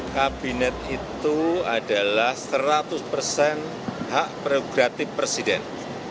kabinet itu adalah seratus hak progratif presiden